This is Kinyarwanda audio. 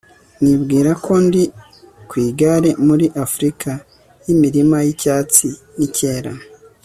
Nibwira ko ndi ku igare muri Afurika yimirima yicyatsi nicyera